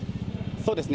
そうですね。